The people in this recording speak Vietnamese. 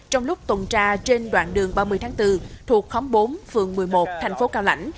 trong lúc tuần tra trên đoạn đường ba mươi tháng bốn thuộc khóm bốn phường một mươi một thành phố cao lạnh